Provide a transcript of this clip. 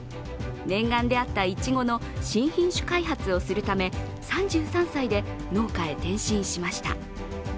念願であったいちごの新品種開発をするため３３歳で農家へ転身しました。